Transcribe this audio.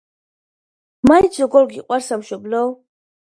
მაინც როგორ გიყვარს სამშობლო?